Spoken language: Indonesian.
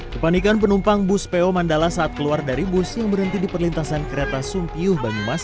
kepanikan penumpang bus po mandala saat keluar dari bus yang berhenti di perlintasan kereta sumpiuh banyumas